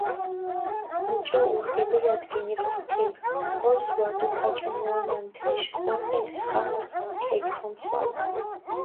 მუჭო ურგებელათ გინიფრთუთინ, თოლს ვადუფაჭუანან თეშ, ყორყელს ხამუს ქეგთომისვანა.